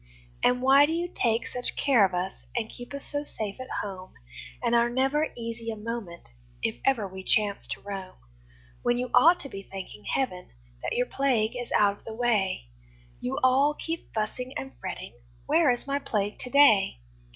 And why do you take such care of us, And keep us so safe at home, And are never easy a moment If ever we chance to roam? When you ought to be thanking Heaven That your plague is out of the way, You all keep fussing and fretting "Where is my Plague to day?"